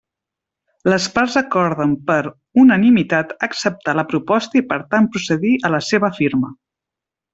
Les parts acorden per unanimitat acceptar la proposta i per tant procedir a la seva firma.